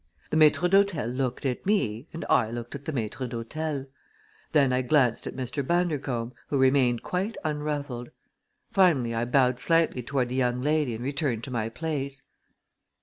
The maître d'hôtel looked at me and I looked at the maître d'hôtel. Then I glanced at Mr. Bundercombe, who remained quite unruffled. Finally I bowed slightly toward the young lady and returned to my place.